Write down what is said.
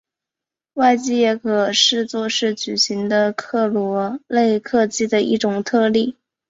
外积也可视作是矩阵的克罗内克积的一种特例。